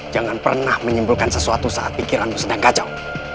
jangan pernah menyimpulkan sesuatu saat pikiranmu sedang kacau